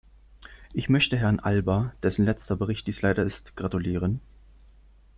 Ich möchte Herrn Alber, dessen letzter Bericht dies leider ist, gratulieren.....